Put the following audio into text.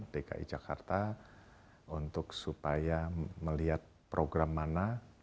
dki jakarta untuk supaya melihat program mana